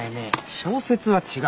小説は違う。